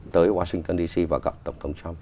tới washington dc và gặp tổng thống trump